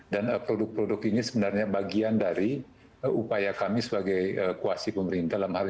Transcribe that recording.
dan produk produk ini sebenarnya bagian dari upaya kami sebagai kuasi pemerintah dalam hal ini